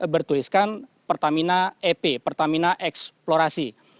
bertuliskan pertamina ep pertamina eksplorasi